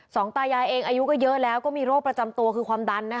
ตายายเองอายุก็เยอะแล้วก็มีโรคประจำตัวคือความดันนะคะ